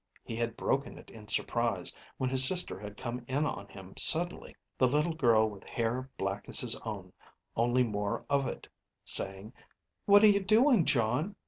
He had broken it in surprise, when his sister had come in on him suddenly, the little girl with hair black as his own, only more of it, saying, "What are you doing, Jon?"